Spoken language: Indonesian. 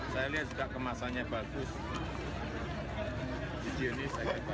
saya lihat juga kemasannya bagus higienis